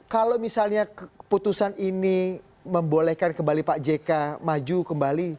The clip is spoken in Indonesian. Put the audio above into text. kalau misalnya keputusan ini membolehkan kembali pak jk maju kembali